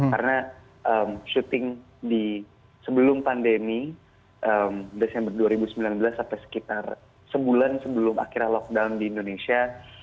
karena syuting sebelum pandemi desember dua ribu sembilan belas sampai sekitar sebulan sebelum akhirnya lockdown di indonesia